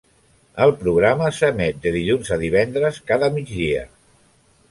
El programa s'emet de dilluns a divendres cada migdia.